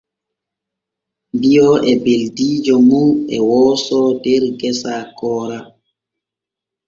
Bio e beldiijo mum e wooso der gesa koora.